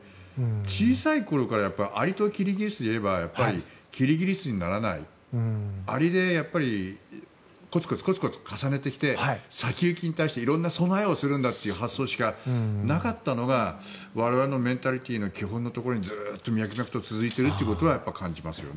小さい頃から「アリとキリギリス」で言えばキリギリスにならないアリでコツコツ重ねてきて先行きに対して色んな備えをするんだという発想しかなかったのが我々のメンタリティーの基本のところにずっと脈々と続いているということを感じますよね。